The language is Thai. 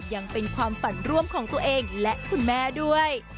ยังเป็นความฝันร่วมของตัวเองและคุณแม่ด้วย